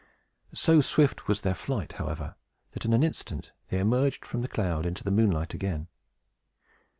So swift was their flight, however, that, in an instant, they emerged from the cloud into the moonlight again.